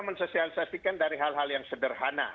mensosialisasikan dari hal hal yang sederhana